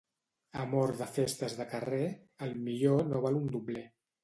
Amor de festes de carrer, el millor no val un dobler.